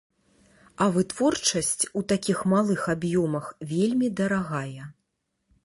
А вытворчасць у такіх малых аб'ёмах вельмі дарагая.